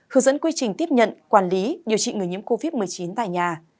hướng dẫn quy trình tiếp nhận quản lý điều trị người nhiễm covid một mươi chín tại nhà